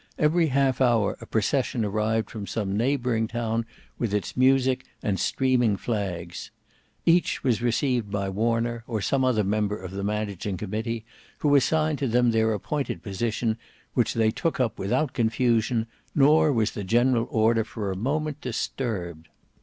Every half hour a procession arrived from some neighbouring town with its music and streaming flags. Each was received by Warner or some other member of the managing committee, who assigned to them their appointed position, which they took up without confusion, nor was the general order for a moment disturbed.